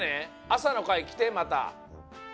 朝の会きてまた。